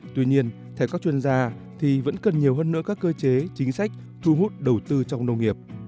tuy nhiên theo các chuyên gia thì vẫn cần nhiều hơn nữa các cơ chế chính sách thu hút đầu tư trong nông nghiệp